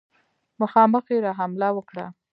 مخامخ یې را حمله وکړه.